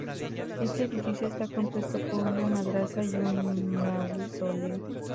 Este edificio está compuesto por una madrasa y un mausoleo.